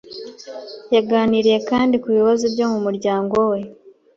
Yaganiriye kandi ku bibazo byo mu muryango we.